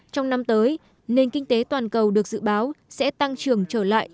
trong năm tới nền kinh tế toàn cầu được dự báo sẽ tăng trưởng trở lại